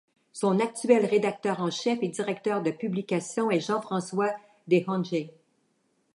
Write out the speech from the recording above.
Son actuel rédacteur en chef et directeur de publication est Jean-François Dejonghe.